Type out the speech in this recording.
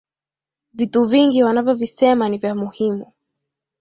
Vitu vingi wanavyo visema ni vya muhimu